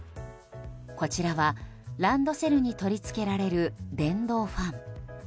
こちらはランドセルに取り付けられる電動ファン。